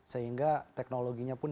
sehingga teknologinya pun